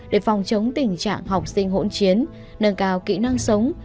để phòng chống tình trạng học sinh hỗn chiến nâng cao kỹ năng sống